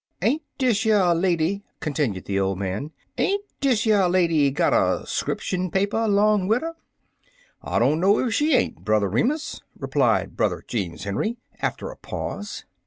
Ain't dish yer lady/' continued the old man —" ain't dish yer lady got er 'scription paper 'long wid 'er?" "I don't know if she ain't, Brother Re mus," replied Brother Jeems Henry, after a pause.